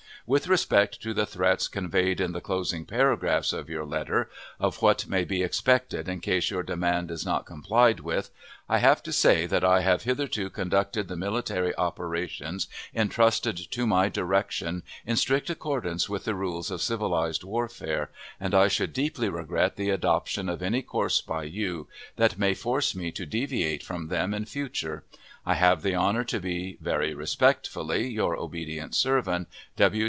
With respect to the threats conveyed in the closing paragraphs of your letter (of what may be expected in case your demand is not complied with), I have to say that I have hitherto conducted the military operations intrusted to my direction in strict accordance with the rules of civilized warfare, and I should deeply regret the adoption of any course by you that may force me to deviate from them in future. I have the honor to be, very respectfully, your obedient servant, W.